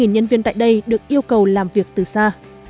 hơn năm nhân viên tại đây được yêu cầu làm việc từ xa